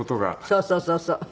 そうそうそうそう。